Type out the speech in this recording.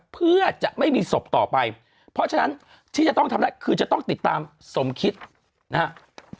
เพื่อจะไม่มีศพต่อไปเพราะฉะนั้นที่จะต้องทำได้คือจะต้องติดตามสมคิดนะครับ